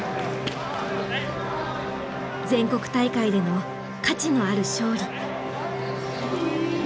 全国大会での価値のある勝利。